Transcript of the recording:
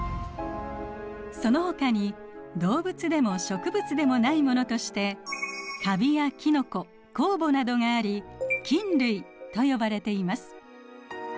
そのほかに動物でも植物でもないものとしてカビやキノコ酵母などがあり菌類と呼ばれています。